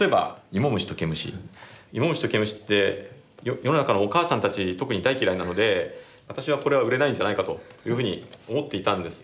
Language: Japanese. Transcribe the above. イモムシとケムシって世の中のお母さんたち特に大嫌いなので私はこれは売れないんじゃないかというふうに思っていたんです。